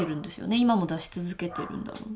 今も出し続けてるんだろうな。